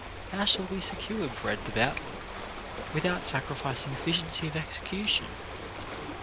How shall we secure breadth of outlook without sacrificing efficiency of execution?